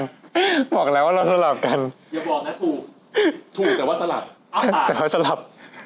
อย่าบอกนะถูกถูกแต่ว่าสลับเอาต่างแต่ว่าสลับ